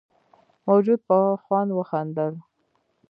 موجود په خوند وخندل.